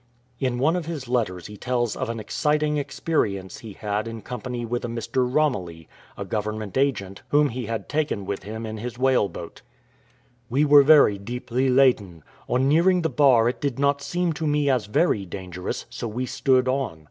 In one of his letters he tells of an exciting experi ence he had in company with a Mr. Romilly, a Govern ment agent, whom he had taken with him in his whale boat :—" We were very deeply laden. On nearing the bar it did not seem to me as very dangerous, so we stood on.